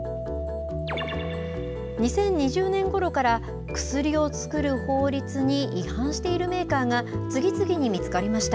２０２０年ごろから薬を作る法律に違反しているメーカーが次々に見つかりました。